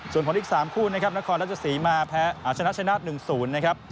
ส่วนผลอีก๓คู่นะครับนครราชสีมาชนะชนะ๑๐นะครับ